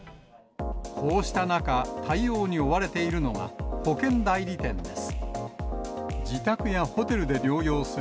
こうした中、対応に追われているのが、保険代理店です。